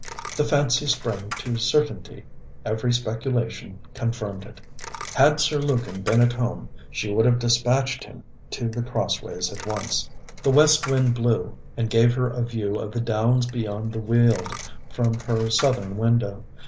The fancy sprang to certainty; every speculation confirmed it. Had Sir Lukin been at home she would have despatched him to The Crossways at once. The West wind blew, and gave her a view of the Downs beyond the Weald from her southern window.